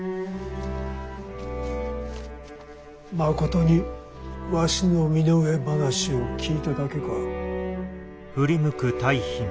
まことにわしの身の上話を聞いただけか？